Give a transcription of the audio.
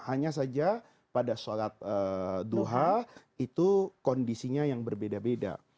hanya saja pada sholat duha itu kondisinya yang berbeda beda